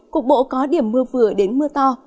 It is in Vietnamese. cục bộ có điểm mưa vừa đến mưa to